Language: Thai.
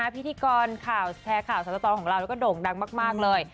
พิธีกรแชร์ข่าวสารตอนของเราก็โด่งดังมากเลย